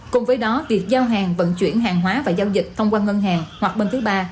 cùng với đó việc giao hàng vận chuyển hàng hóa và giao dịch thông qua ngân hàng hoặc bên thứ ba